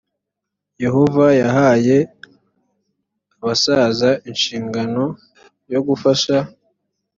yehova yahaye abasaza inshingano yo gufasha